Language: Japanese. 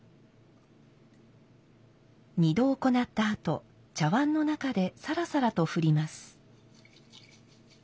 二度行ったあと茶碗の中でさらさらと振ります。